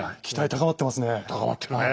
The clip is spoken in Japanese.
高まってるね。